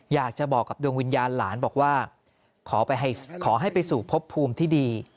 อยากจะบอกกับดวงวิญญาณหลานบอกว่าขอให้ไปสู่พบภูมิที่ดี